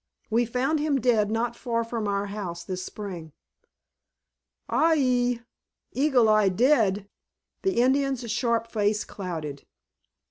We found him dead not far from our house this spring." "Ai ee! Eagle Eye dead?" The Indian's sharp face clouded.